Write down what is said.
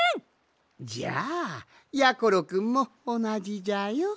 じゃあやころくんもおなじじゃよ。